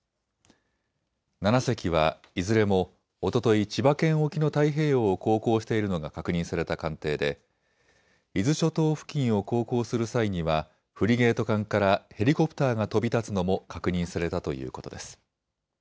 ７隻はいずれもおととい千葉県沖の太平洋を航行しているのが確認された艦艇で伊豆諸島付近を航行する際にはフリゲート艦からヘリコプターが飛び立つのも確認されたということです。